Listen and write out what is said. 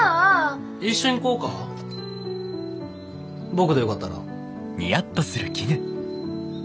僕でよかったら。